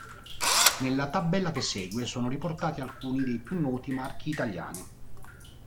Nella tabella che segue sono riportati alcuni dei più noti marchi italiani.